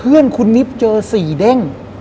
เพื่อนคุณนิบเจอ๔เด้ง